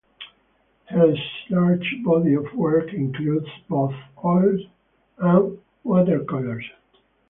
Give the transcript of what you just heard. His large body of work includes both oils and watercolors.